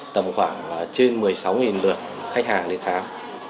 tầm khoảng trên một mươi sáu lượt khách hàng đến khám